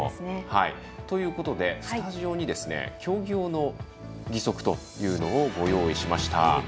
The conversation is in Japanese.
ということで、スタジオに競技用の義足というのをご用意しました。